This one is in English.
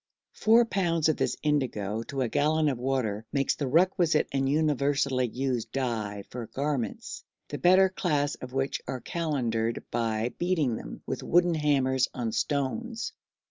Four pounds of this indigo to a gallon of water makes the requisite and universally used dye for garments, the better class of which are calendered by beating them with wooden hammers on stones.